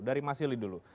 dari mas sili dulu